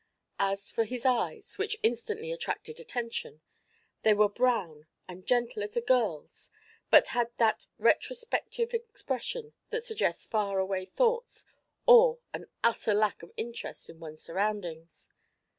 As for his eyes, which instantly attracted attention, they were brown and gentle as a girl's but had that retrospective expression that suggests far away thoughts or an utter lack of interest in one's surroundings.